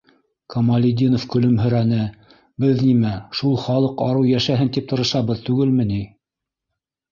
- Камалетдинов көлөмһөрәне, - беҙ нимә... шул халыҡ арыу йәшәһен тип тырышабыҙ түгелме ни?